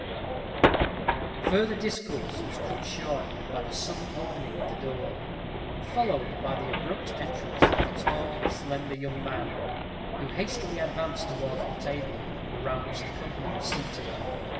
Further discourse was cut short by the sudden opening of the door, followed by the abrupt entrance of a tall, slender young man, who hastily advanced towards the table, around which the company were seated.